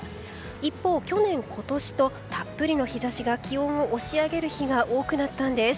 一方、去年、今年とたっぷりの日差しが気温を押し上げる日が多くなったんです。